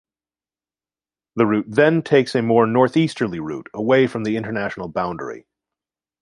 The route then takes a more northeasterly route away from the international boundary.